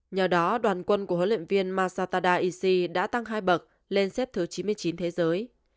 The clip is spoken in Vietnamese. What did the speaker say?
nhờ đó đoàn quân của huấn luyện viên masatada isi đã tăng hai bậc lên xếp thứ chín mươi chín thế giới